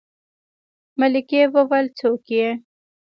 ملکې وويلې څوک يې.